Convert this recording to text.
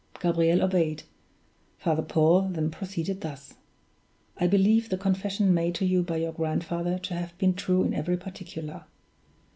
Gabriel obeyed; Father Paul then proceeded thus: "I believe the confession made to you by your grandfather to have been true in every particular.